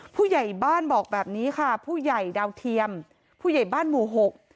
ผู้ใหญ่บ้านบอกแบบนี้ค่ะผู้ใหญ่ดาวเทียมผู้ใหญ่บ้านหมู่หก